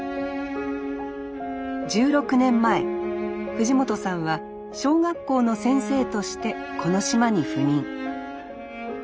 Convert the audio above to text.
１６年前藤本さんは小学校の先生としてこの島に赴任。